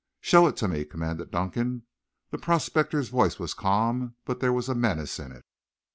"Show it to me," commanded Dunkan. The prospector's voice was calm, but there was a menace in it.